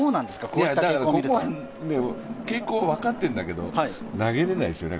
ここは傾向は分かっているんだけど、投げれないですよね。